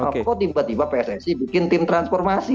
kok tiba tiba pssi bikin tim transformasi